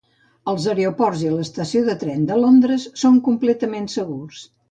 Els aeroports i l'estació de tren de Londres són completament segurs